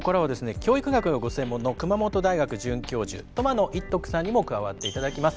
教育学がご専門の熊本大学准教授苫野一徳さんにも加わって頂きます。